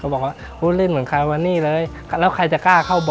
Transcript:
ภูเขาหรือทะเลครับทะเลครับ